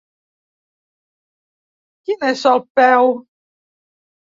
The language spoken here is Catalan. Quin és el peu?